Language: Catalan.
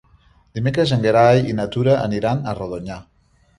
Dimecres en Gerai i na Tura aniran a Rodonyà.